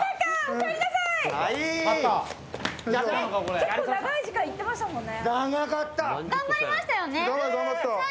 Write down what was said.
結構、長い時間行ってましたもんね。